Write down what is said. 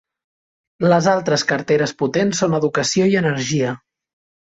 Les altres carteres potents són educació i energia.